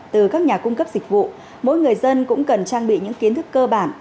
từ các nhà cung cấp dịch vụ mỗi người dân cũng cần trang bị những kiến thức cơ bản